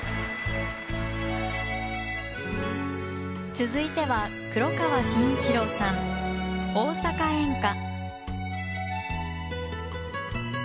続いては黒川真一朗さん「大阪演歌」。